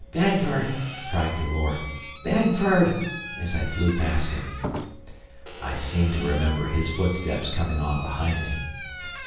"Bedford!" cried Cavor. "Bedford!" as I flew past him. I seem to remember his footsteps coming on behind me.